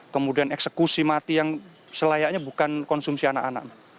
kemudian eksekusi mati yang selayaknya bukan konsumsi anak anak